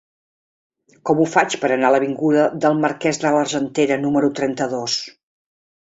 Com ho faig per anar a l'avinguda del Marquès de l'Argentera número trenta-dos?